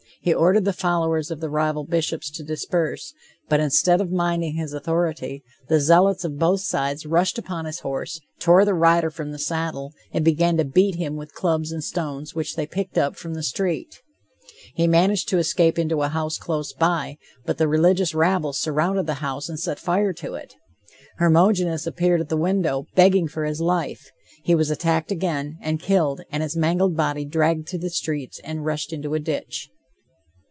He ordered the followers of the rival bishops to disperse, but instead of minding his authority, the zealots of both sides rushed upon his horse, tore the rider from the saddle and began to beat him with clubs and stones which they picked up from the street. He managed to escape into a house close by, but the religious rabble surrounded the house and set fire to it. Hermogenes appeared at the window, begging for his life. He was attacked again, and killed, and his mangled body dragged through the streets and rushed into a ditch.